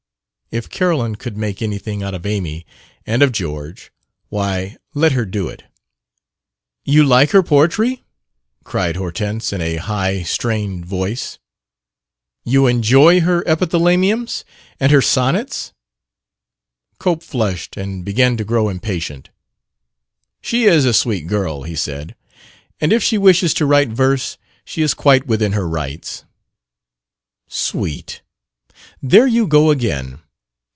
If Carolyn could make anything out of Amy and of George why, let her do it. "You like her poetry!" cried Hortense in a high, strained voice. "You enjoy her epithalamiums, and her sonnets...." Cope flushed and began to grow impatient. "She is a sweet girl," he said; "and if she wishes to write verse she is quite within her rights." "'Sweet'! There you go again!